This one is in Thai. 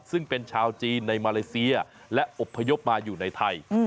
ซึ่งเป็นชาวจีนในมาเลเซียและอบพยพมาอยู่ในไทย